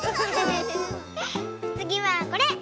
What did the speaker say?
つぎはこれ！